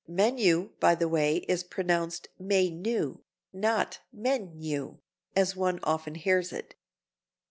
(Menu, by the way, is pronounced "may noo," not "meyn you" as one often hears it.)